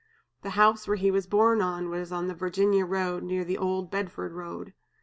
The house where he was born was on the Virginia road, near the old Bedford road.